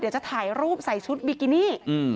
เดี๋ยวจะถ่ายรูปใส่ชุดบิกินี่